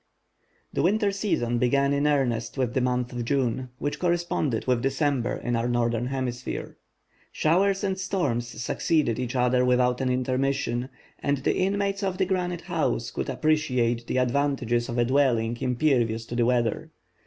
The winter season began in earnest with the month of June, which corresponded with December in our northern hemisphere. Showers and storms succeeded each other without an intermission, and the inmates of the Granite House could appreciate the advantages of a dwelling impervious to the weather.